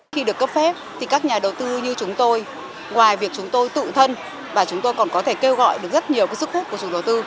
khi được cấp phép thì các nhà đầu tư như chúng tôi ngoài việc chúng tôi tự thân và chúng tôi còn có thể kêu gọi được rất nhiều sức hút của chủ đầu tư